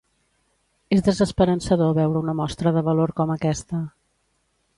És desesperançador veure una mostra de valor com aquesta.